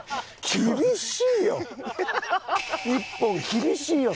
厳しいよ。